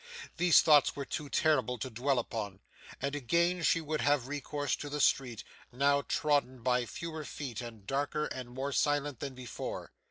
These thoughts were too terrible to dwell upon, and again she would have recourse to the street, now trodden by fewer feet, and darker and more silent than before.